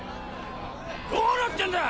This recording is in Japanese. どうなってんだ！